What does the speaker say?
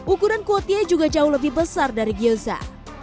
ukuran kuotie juga jauh lebih besar dari gyoza